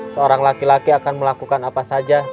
seorang laki laki akan melakukan apa saja